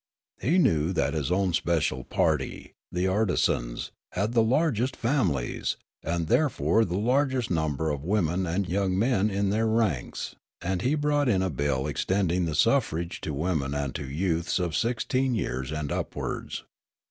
He knew that his own special party, the artisans, had the largest families, and had therefore the largest number of wom en and young men in their ranks ; and he brought in a bill extending the suffrage to women and to youths of sixteen years and upwards.